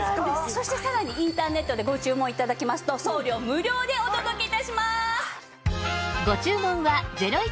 そしてさらにインターネットでご注文頂きますと送料無料でお届け致します！